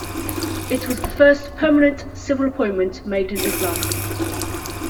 It was the first permanent civil appointment made in Islam.